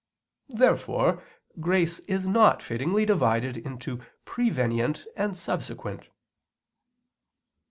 Therefore grace is not fittingly divided into prevenient and subsequent.